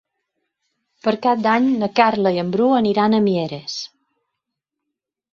Per Cap d'Any na Carla i en Bru aniran a Mieres.